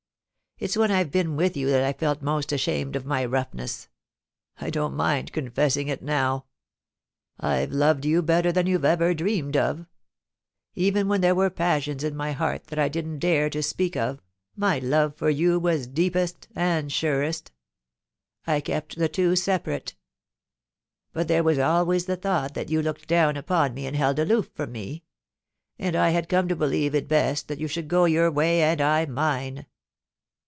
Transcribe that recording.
It's when IVe been with you that IVe felt most ashamed of my roughness. I don't mind confessing to it now. I've loved you better than you've ever dreamed ofl Even when there were passions in my heart that I didn't dare to speak of, my love for you was deepest and surest I kept the two separate. ... But there was always the thought that you looked down upon me and held aloof from me ; and I had come to believe it best that you should go your way and I mine.